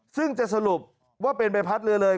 ซึ่งจะสรุปว่าเป็นใบพัดเรือเลย